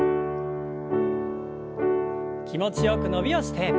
気持ちよく伸びをして。